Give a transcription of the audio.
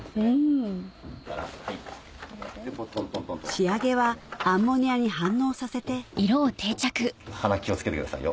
仕上げはアンモニアに反応させて鼻気を付けてくださいよ。